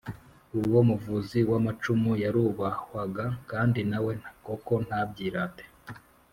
uwo muvuzi w’amacumu yarubahwaga kandi na we koko ntabyirate